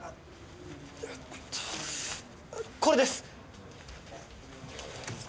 えーっとこれです。